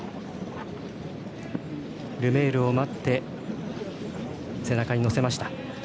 ルメールを待って背中に乗せました。